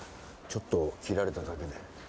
ちょっと切られただけで。